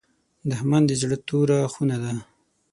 دښمن د زړه توره خونه ده